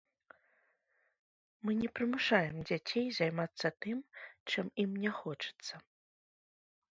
Мы не прымушаем дзяцей займацца тым, чым ім не хочацца.